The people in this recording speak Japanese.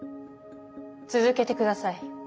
続けてください。